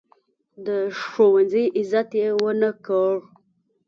د ښوونځي عزت یې ونه کړ.